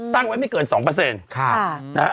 ตั้งไว้ไม่เกิน๒นะฮะ